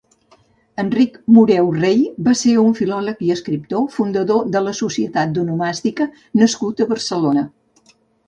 Enric Moreu-Rey va ser un filòleg i escriptor, fundador de la Societat d'Onomàstica nascut a Barcelona.